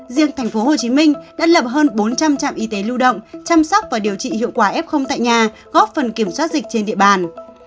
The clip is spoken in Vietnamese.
riêng thành phố hồ chí minh đã lập hơn bốn trăm linh trạm y tế lưu động chăm sóc và điều trị hiệu quả f tại nhà góp phần kiểm soát dịch trên địa bàn